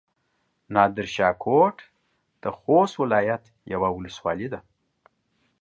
نادرشاه کوټ د خوست ولايت يوه ولسوالي ده.